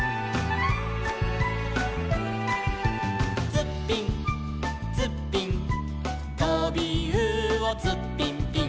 「ツッピンツッピン」「とびうおツッピンピン」